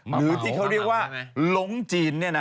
หรือที่เขาเรียกว่าหลงจีน